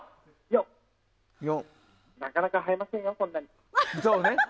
なかなか生えませんよ、こんなに。